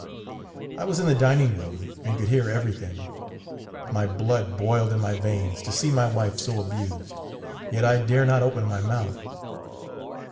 I was in the dining room, and could hear everything. My blood boiled in my veins to see my wife so abused; yet I dare not open my mouth.